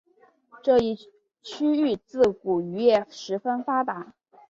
这一区域自古渔业十分发达。